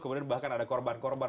kemudian bahkan ada korban korban